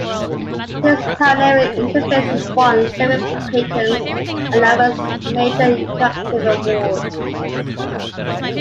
These pioneering interfaces won several patents and numerous major interactive awards.